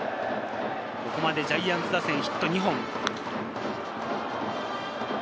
ここまでジャイアンツ打線、ヒット２本。